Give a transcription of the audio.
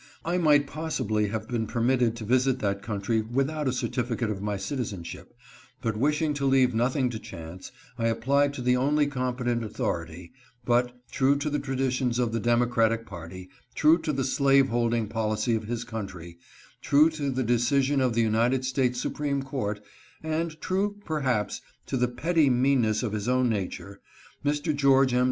I might possibly have been permitted to visit that country without a cer tificate of my citizenship, but wishing to leave nothing to chance, I applied to the only competent authority ; but, true to the traditions of the Democratic party, true to the slaveholding policy of his country, true to the decision of the United States Supreme Court, and true, perhaps, 394 HE LOSES HIS DAUGHTER AND RETURNS. to the petty meanness of his own nature, Mr. George M.